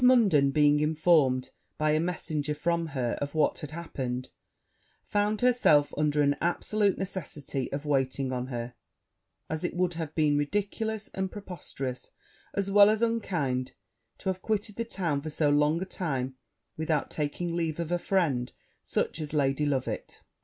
Munden being informed by a messenger from her of what had happened, found herself under an absolute necessity of waiting on her, as it would have been ridiculous and preposterous, as well as unkind, to have quitted the town for so long a time without taking leave of a friend such as Lady Loveit.